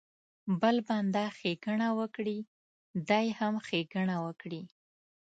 بل بنده ښېګڼه وکړي دی هم ښېګڼه وکړي.